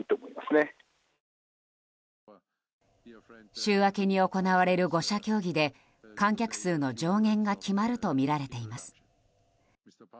週明けに行われる５者協議で観客数の上限が決まるとみられています。